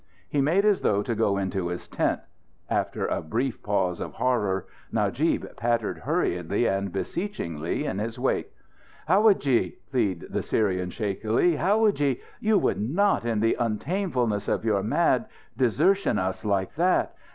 He made as though to go into his tent. After a brief pause of horror, Najib pattered hurriedly and beseechingly in his wake. "Howadji!" pleaded the Syrian shakily. "Howadji! You would not, in the untamefulness of your mad, desertion us like that?